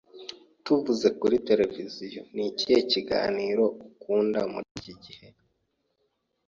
Tuvuze kuri tereviziyo, ni ikihe kiganiro ukunda muri iki gihe?